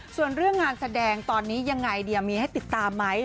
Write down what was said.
ส่วนเรื่องงานแสดงตอนนี้ยังไงเดียมีให้ติดตามไหม